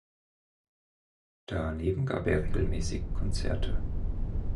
Daneben gab er regelmäßig Konzerte.